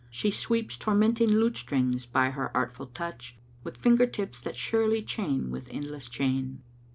She sweeps tormenting lute strings by her artful touch * Wi' finger tips that surely chain with endless chain."